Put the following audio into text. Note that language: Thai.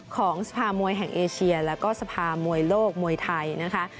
ของสภามวยแห่งเอเชียแล้วก็สภามวยโลกมวยไทยนะคะ